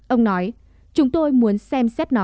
ông nói chúng tôi muốn xem xét nó